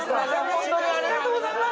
ホントにありがとうございます。